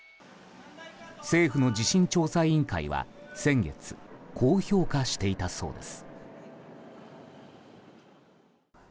政府の地震調査委員会は、先月こう評価していたそうです。